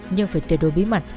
nhưng phải tuyệt đối bí mật